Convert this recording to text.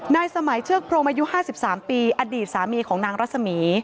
สมัยเชือกพรมอายุ๕๓ปีอดีตสามีของนางรัศมี